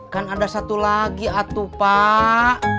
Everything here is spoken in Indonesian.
kan ada satu lagi atu pak